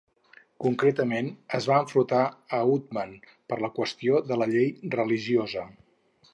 Concretament, es va enfrontar a Uthman per la qüestió de la llei religiosa.